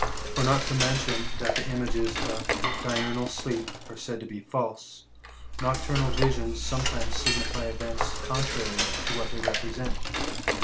For not to mention thai the images of diurnal sleep are said to be false, ftdcturnal visions sometimes signify events contrary to what they represent.